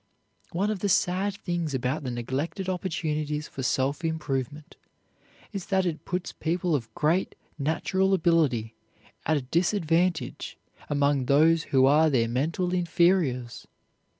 One of the sad things about the neglected opportunities for self improvement is that it puts people of great natural ability at a disadvantage among those who are their mental inferiors.